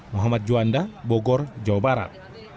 muhammad juanda bogor jawa barat